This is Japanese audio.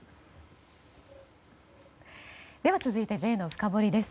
では続いてＪのフカボリです。